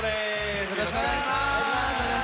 よろしくお願いします。